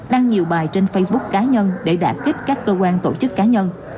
đăng nhiều bài trên facebook cá nhân để đạt kích các cơ quan tổ chức cá nhân